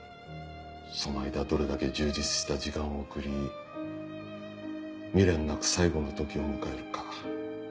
その間どれだけ充実した時間を送り未練なく最期の時を迎えるか。